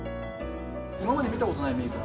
今まで見た事ないメイク。